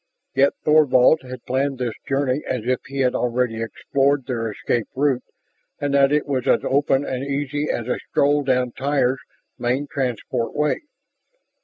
Yet Thorvald had planned this journey as if he had already explored their escape route and that it was as open and easy as a stroll down Tyr's main transport way.